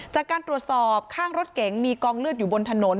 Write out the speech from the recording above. จากการตรวจสอบข้างรถเก๋งมีกองเลือดอยู่บนถนน